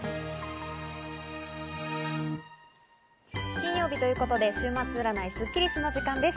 金曜日ということで週末占いスッキりすの時間です。